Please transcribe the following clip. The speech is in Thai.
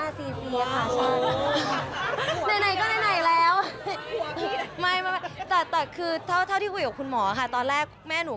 ไหนก็ไหนแล้ว